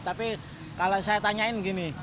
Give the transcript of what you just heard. tapi kalau saya tanyain gini